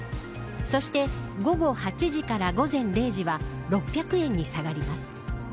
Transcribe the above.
そして、午後８時から午前０時は６００円に下がります。